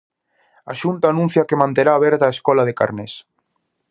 A Xunta anuncia que manterá aberta a escola de Carnés.